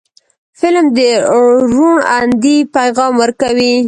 فلم د روڼ اندۍ پیغام ورکوي